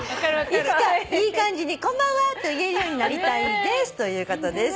「いつかいい感じに『こんばんは！』と言えるようになりたいです」ということです。